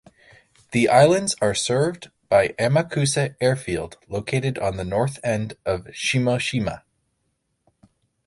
The islands are served by Amakusa Airfield, located on the north end of Shimoshima.